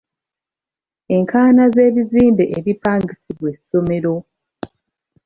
Enkaayana z'ebizimbe ebipangisibwa essomero.